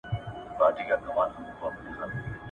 و مسکين ته د کلا د سپو سلا يوه ده.